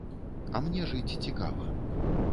А мне жыць цікава.